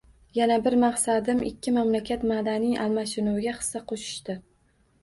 Yana bir maqsadim ikki mamlakat madaniy almashinuviga hissa qo`shishdir